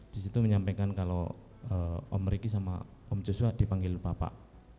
di situ menyampaikan kalau om riki sama om joshua dipanggil bapak